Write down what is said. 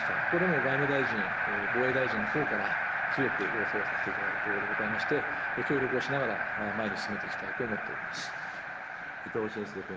ここでも外務大臣、防衛大臣のほうから強く要請をさせていただいたところでございまして、協力をしながら前に進めていきたいと思っております。